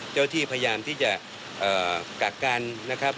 ที่พยายามที่จะกักกันนะครับ